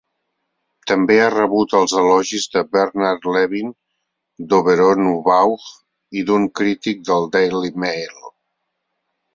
També ha rebut els elogis de Bernard Levin, d'Auberon Waugh i d'un crític del Daily Mail.